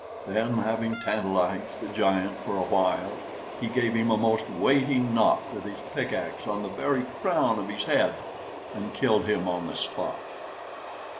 Then having tantalized the giant for a while, he gave him a most weighty knock with his pickaxe on the very crown of his head, and killed him on the spot.